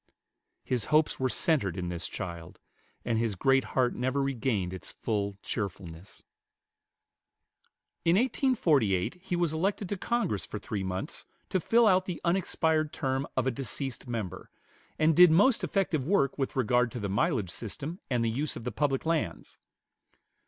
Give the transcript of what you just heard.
His hopes were centered in this child; and his great heart never regained its full cheerfulness. In 1848 he was elected to Congress for three months to fill out the unexpired term of a deceased member, and did most effective work with regard to the mileage system and the use of the public lands.